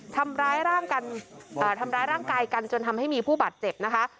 ทำร้ายร่างกายกันจนทำให้มีผู้บาดเจ็บนะคะ